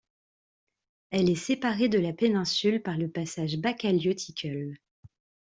Elle est séparée de la péninsule par le passage Baccalieu Tickle.